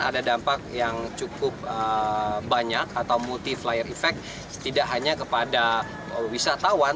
jadi ini adalah dampak yang cukup banyak atau multi flyer effect tidak hanya kepada wisatawan